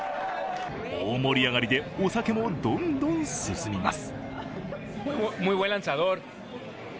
大盛り上がりでお酒もどんどん進みます。